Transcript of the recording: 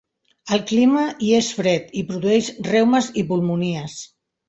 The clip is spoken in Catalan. El clima hi és fred, i produeix reumes i pulmonies.